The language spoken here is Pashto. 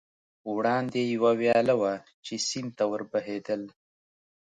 وړاندې یوه ویاله وه، چې سیند ته ور بهېدل.